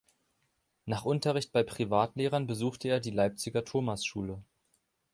Nach Unterricht bei Privatlehrern besuchte er die Leipziger Thomasschule.